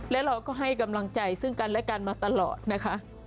และเราก็ให้กำลังใจซึ่งกันและกันมาตลอดนะคะ